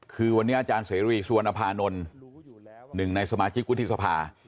คือวันนี้อาจารย์เสรีสุวรรณภานนท์หนึ่งในสมาชิกวุฒิสภา